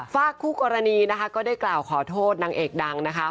ฝากคู่กรณีนะคะก็ได้กล่าวขอโทษนางเอกดังนะคะ